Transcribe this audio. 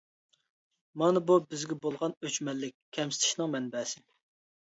مانا بۇ بىزگە بولغان ئۆچمەنلىك، كەمسىتىشنىڭ مەنبەسى.